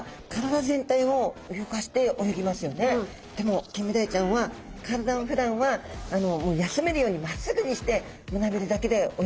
でもキンメダイちゃんは体をふだんはもう休めるようにまっすぐにして胸びれだけで泳ぐわけですね。